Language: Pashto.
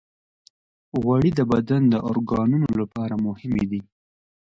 غوړې د بدن د اورګانونو لپاره مهمې دي.